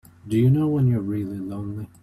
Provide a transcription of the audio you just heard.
Do you know when you're really lonely?